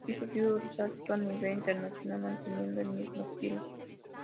Pronto dio el salto a nivel internacional, manteniendo el mismo estilo.